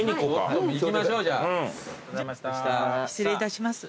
失礼いたします。